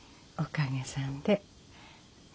おかげさんで。